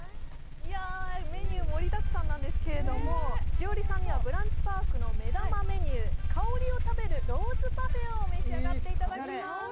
メニュー、盛りだくさんなんですけど、栞里さんにはブランチパークの目玉メニュー、香りを食べるローズパフェを召し上がっていただきます。